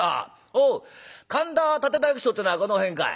おう神田竪大工町ってのはこの辺かい？」。